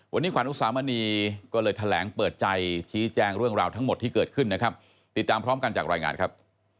วันนี้ขวัญอุสามณีก็เลยแถลงเปิดใจชี้แจงเรื่องราวทั้งหมดที่เกิดขึ้นนะครับติดตามพร้อมกันจากรายงานครับ